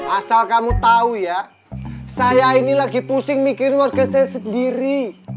asal kamu tahu ya saya ini lagi pusing mikirin warga saya sendiri